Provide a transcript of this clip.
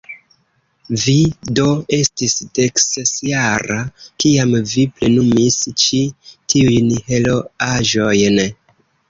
Vi do estis deksesjara, kiam vi plenumis ĉi tiujn heroaĵojn?